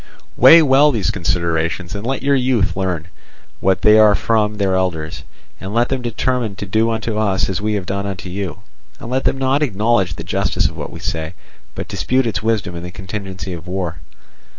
"Weigh well these considerations, and let your youth learn what they are from their elders, and let them determine to do unto us as we have done unto you. And let them not acknowledge the justice of what we say, but dispute its wisdom in the contingency of war.